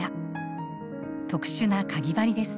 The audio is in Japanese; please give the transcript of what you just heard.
特殊なかぎ針です。